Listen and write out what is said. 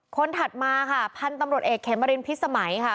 ถัดมาค่ะพันธุ์ตำรวจเอกเขมรินพิษสมัยค่ะ